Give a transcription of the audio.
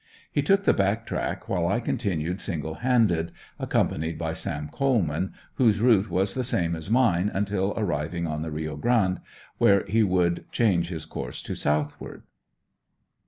He took the back track while I continued single handed, accompanied by Sam Coleman, whose route was the same as mine until arriving on the Rio Grande, where he would change his course to southward.